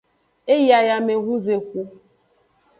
E yi ayamehunzexu.